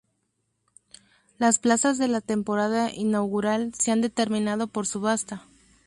Las plazas de la temporada inaugural se han determinado por subasta.